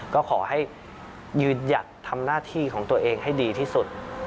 ก็ขอให้ยืนหยัดทำหน้าที่ของตัวเองให้ดีที่สุด